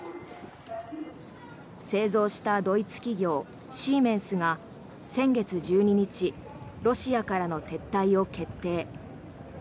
製造したドイツ企業シーメンスが先月１２日ロシアからの撤退を決定。